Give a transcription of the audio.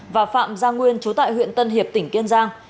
và phạm gia nguyên chú tại huyện tân hiệp tỉnh kiên giang